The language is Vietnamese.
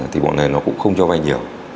thì bọn này nó cũng không cho vay nhiều